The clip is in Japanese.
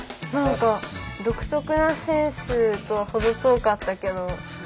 何か独特なセンスとは程遠かったけど。